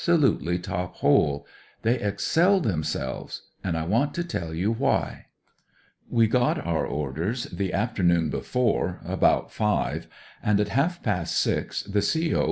COMPANY 145 lutely top hole — ^they excelled themselves, and I want to tell you why. " We got our orders the afternoon before — about five, and at half past six the CO.